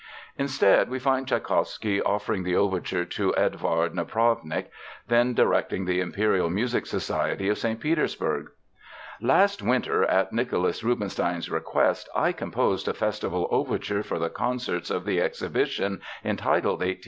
Instead, we find Tschaikowsky offering the overture to Eduard Napravnik, then directing the Imperial Musical Society of St. Petersburg: "Last winter, at Nicholas Rubinstein's request, I composed a Festival Overture for the concerts of the exhibition, entitled '1812.